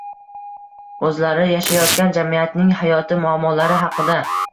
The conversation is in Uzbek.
O‘zlari yashayotgan jamiyatning hayoti, muammolari haqida